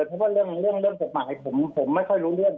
เพราะว่าเรื่องเรื่องเรื่องกฎหมายผมผมไม่ค่อยรู้เรื่อง